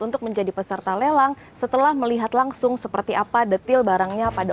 untuk menjadi peserta lelang setelah melihat langsung seperti apa detil barangnya pada